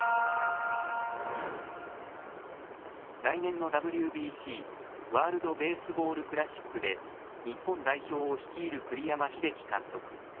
来年のＷＢＣ・ワールド・ベースボール・クラシックで日本代表を率いる栗山英樹監督。